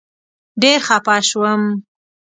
ډېر خپه شوم.